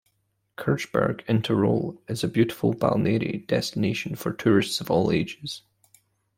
Kirchberg in Tirol is a beautiful balneary destination for tourists of all ages.